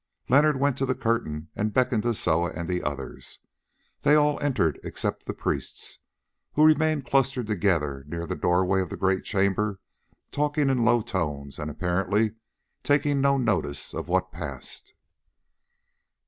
Leonard went to the curtain and beckoned to Soa and the others. They all entered except the priests, who remained clustered together near the doorway of the great chamber talking in low tones and apparently taking no notice of what passed.